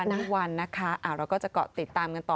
ทุกวันนะคะเราก็จะติดตามกันต่อ